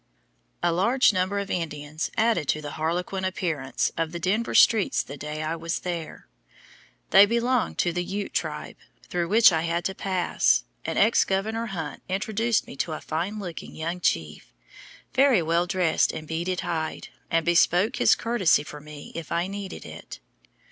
A large number of Indians added to the harlequin appearance of the Denver streets the day I was there. They belonged to the Ute tribe, through which I had to pass, and Governor Hunt introduced me to a fine looking young chief, very well dressed in beaded hide, and bespoke his courtesy for me if I needed it.